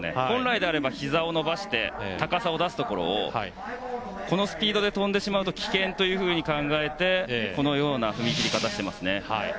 本来ならひざを伸ばして高さを出すところをこのスピードで跳んでしまうと危険というふうに考えてこんな踏み切り方をしています。